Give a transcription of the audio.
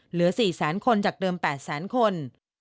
เหลือ๔๐๐๐๐๐คนจากเดิม๘๐๐๐๐๐คน